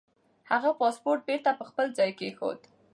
هغه پاسپورت بېرته پر خپل ځای کېښود.